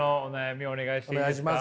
お願いします。